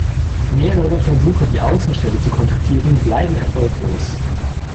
Mehrere Versuche, die Außenstelle zu kontaktieren, bleiben erfolglos.